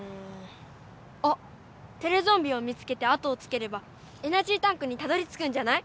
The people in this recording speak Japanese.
あっテレゾンビを見つけて後をつければエナジータンクにたどりつくんじゃない？